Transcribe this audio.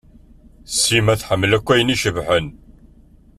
Sima tḥemmel akk ayen icebḥen.